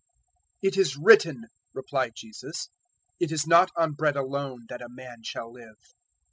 004:004 "It is written," replied Jesus, "`It is not on bread alone that a man shall live.'"